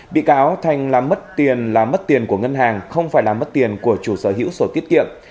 bị cáo thành là mất tiền là mất tiền của ngân hàng không phải là mất tiền của chủ sở hữu sổ tiết kiệm